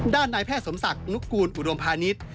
ด้านนายแพทย์สมศักดิ์นุกูลอุดมพาณิชย์